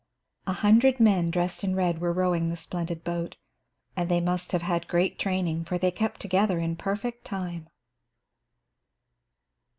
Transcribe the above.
A hundred men dressed in red were rowing the splendid boat, and they must have had great training, for they kept together in perfect time.